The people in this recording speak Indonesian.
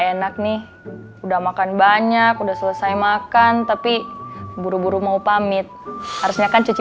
enak nih udah makan banyak udah selesai makan tapi buru buru mau pamit harusnya kan cuci